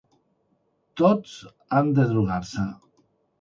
Tots han de drogar-se.